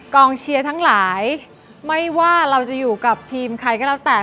กองเชียร์ทั้งหลายไม่ว่าเราจะอยู่กับทีมใครก็แล้วแต่